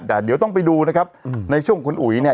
แต่เดี๋ยวต้องไปดูนะครับในช่วงคุณอุ๋ยเนี่ย